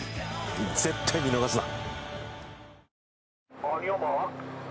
絶対、見逃すな！